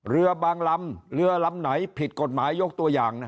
เรือบางลำเรือลำไหนผิดกฎหมายยกตัวอย่าง